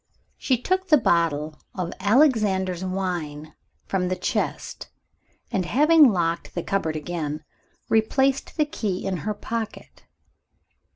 She took the bottle of "Alexander's Wine" from the chest, and having locked the cupboard again, replaced the key in her pocket.